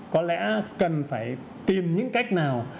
có lẽ cần phải tìm những cách nào